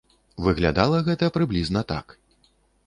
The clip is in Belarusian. Выглядала гэта прыблізна так.